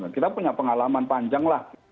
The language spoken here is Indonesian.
kita punya pengalaman panjang lah